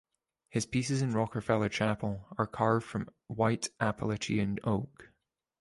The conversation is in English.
His pieces in Rockefeller Chapel are carved from White Appalachian Oak.